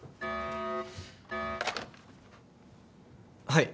はい。